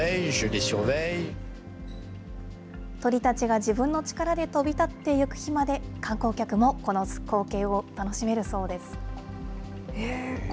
鳥たちが自分の力で飛び立ってゆく日まで、観光客もこの光景を楽しめるそうです。